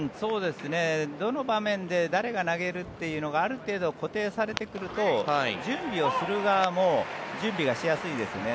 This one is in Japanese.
どの場面で誰が投げるというのがある程度、固定されてくると準備をする側も準備がしやすいですよね。